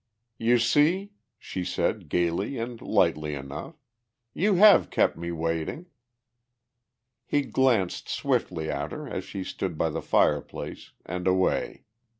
"You see," she said, gaily and lightly enough, "you have kept me waiting." He glanced swiftly at her as she stood by the fireplace, and away.